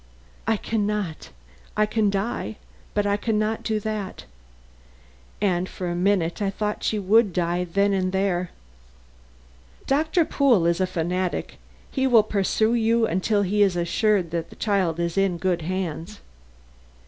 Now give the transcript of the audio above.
"I can not. I can die, but I can not do that." And for a minute I thought she would die then and there. "Doctor Pool is a fanatic; he will pursue you until he is assured that the child is in good hands."